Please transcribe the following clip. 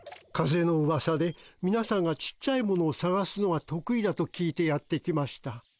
風のうわさでみなさんがちっちゃいものをさがすのが得意だと聞いてやって来ました。